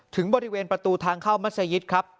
ถึงบริเวณประตูทางเข้ามัศยิตครับ